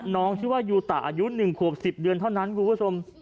น้องชื่อว่ายูตะอายุหนึ่งควบสิบเดือนเท่านั้นกูคุ้ม